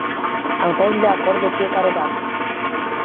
Am fost de acord de fiecare dată.